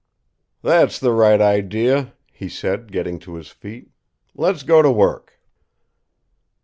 "That's the right idea!" he said, getting to his feet. "Let's go to work."